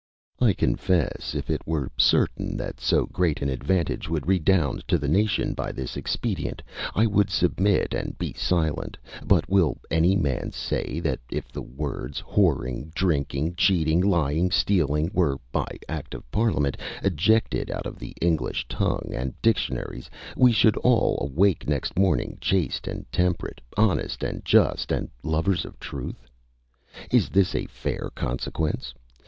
I confess, if it were certain that so great an advantage would redound to the nation by this expedient, I would submit, and be silent; but will any man say, that if the words, whoring, drinking, cheating, lying, stealing, were, by Act of Parliament, ejected out of the English tongue and dictionaries, we should all awake next morning chaste and temperate, honest and just, and lovers of truth? Is this a fair consequence?